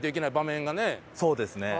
そうですね。